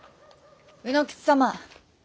卯之吉様。